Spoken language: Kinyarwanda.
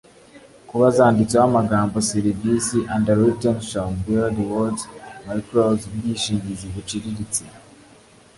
kuba zanditseho amagambo serivisi underwritten shall bear the words microz ubwishingizi buciriritse